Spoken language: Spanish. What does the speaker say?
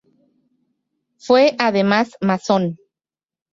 Fue además masón.